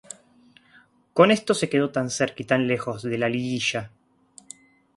Con esto se quedó tan cerca y tan lejos de la liguilla.